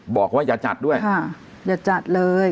บอกว่าอย่าจัดด้วยค่ะอย่าจัดเลย